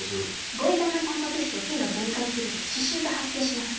ご遺体のタンパク質を菌が分解すると死臭が発生します。